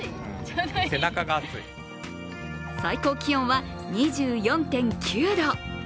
最高気温は２４．９度。